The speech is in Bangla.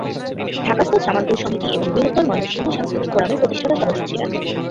ঢাকাস্থ জামালপুর সমিতি এবং বৃহত্তর ময়মনসিংহ সাংস্কৃতিক ফোরামের প্রতিষ্ঠাতা সদস্য ছিলেন।